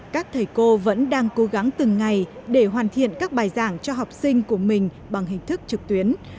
các thầy cô vẫn đang cố gắng từng ngày để hoàn thiện các bài giảng cho học sinh của mình bằng hình thức trực tuyến